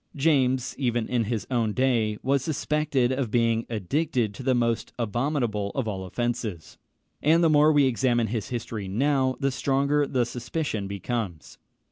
James, even in his own day, was suspected of being addicted to the most abominable of all offences; and the more we examine his history now, the stronger the suspicion becomes.